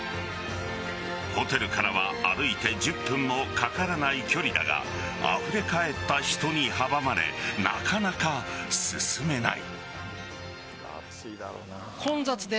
ホテルからは歩いて１０分もかからない距離だがあふれかえった人に阻まれなかなか進めない。